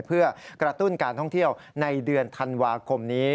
เพื่อกระตุ้นการท่องเที่ยวในเดือนธันวาคมนี้